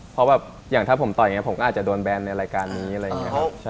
เพราะแบบอย่างถ้าผมต่อยอย่างนี้ผมก็อาจจะโดนแบนในรายการนี้อะไรอย่างนี้ครับ